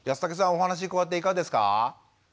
お話伺っていかがですか？